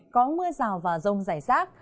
có mưa rào và rông rải rác